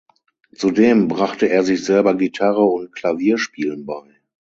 Zudem brachte er sich selber Gitarre und Klavierspielen bei.